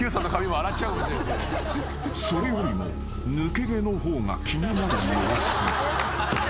［それよりも抜け毛の方が気になる様子］